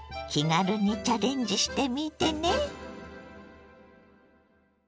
気軽にチャレンジしてみてね。